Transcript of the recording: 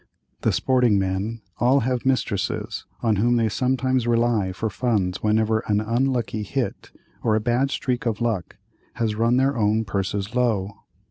The "sporting men" all have mistresses, on whom they sometimes rely for funds whenever an "unlucky hit," or a "bad streak of luck," has run their own purses low.